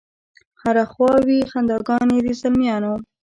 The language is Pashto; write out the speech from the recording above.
هره خوا وي خنداګانې د زلمیانو